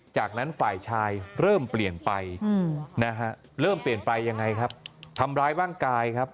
จากนั้นฝ่ายชายเริ่มเปลี่ยนไปนะฮะเริ่มเปลี่ยนไปยังไงครับทำร้ายร่างกายครับ